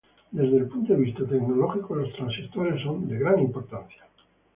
Desde el punto de vista tecnológico, los transitorios son de gran importancia.